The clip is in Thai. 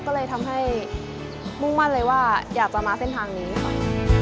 ก็เลยทำให้มุ่งมั่นเลยว่าอยากจะมาเส้นทางนี้ค่ะ